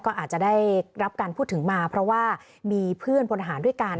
ก็อาจจะได้รับการพูดถึงมาเพราะว่ามีเพื่อนพลทหารด้วยกัน